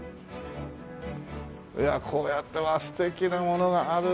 いやあこうやって素敵なものがあるね。